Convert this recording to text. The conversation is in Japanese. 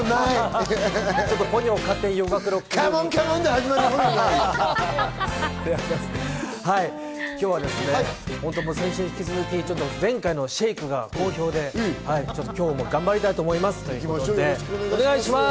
カモンカモンで今日はですね、先週に引き続き、前回のシェイクが好評で、今日も頑張りたいと思いますという気持ちでお願いします。